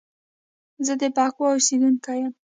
زه د بکواه اوسیدونکی یم